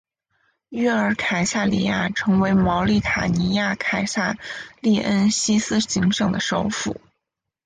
约尔凯撒里亚成为茅利塔尼亚凯撒利恩西斯行省的首府。